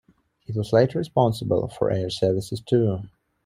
It was later responsible for air services too.